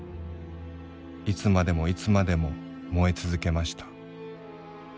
いつまでもいつまでも燃えつゞけました。